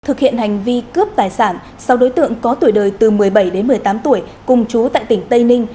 thực hiện hành vi cướp tài sản sau đối tượng có tuổi đời từ một mươi bảy đến một mươi tám tuổi cùng chú tại tỉnh tây ninh